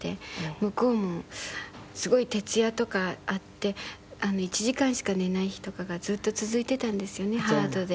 向こうもすごい徹夜とかあって１時間しか寝ない日とかがずっと続いてたんですよねハードで。